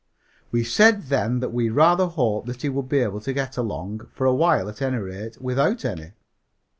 We said then that we rather hoped that he would be able to get along, for a while at any rate, without any.